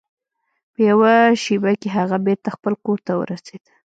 په یوه شیبه کې هغه بیرته خپل کور ته ورسید.